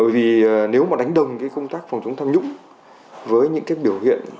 vì nếu mà đánh đồng cái công tác phòng chống tham nhũng với những cái biểu hiện